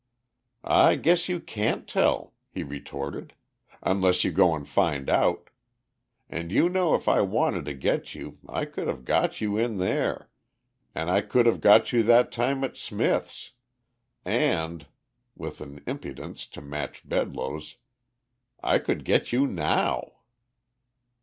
"I guess you can't tell," he retorted. "Unless you go and find out. And you know if I wanted to get you I could have got you in there, and I could have got you that time at Smith's. And," with an impudence to match Bedloe's, "I could get you now!"